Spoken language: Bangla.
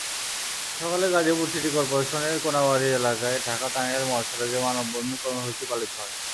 সকালে গাজীপুর সিটি করপোরেশনের কোনাবাড়ী এলাকায় ঢাকা-টাঙ্গাইল মহাসড়কে মানববন্ধন কর্মসূচি পালিত হয়।